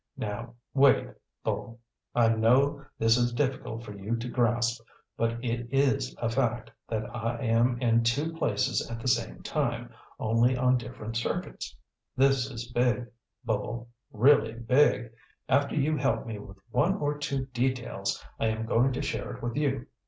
Now wait, Bull. I know this is difficult for you to grasp, but it is a fact that I am in two places at the same time only on different circuits. This is big, Bull, really big! After you help me with one or two details, I am going to share it with you.